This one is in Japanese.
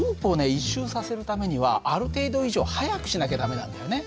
１周させるためにはある程度以上速くしなきゃ駄目なんだよね。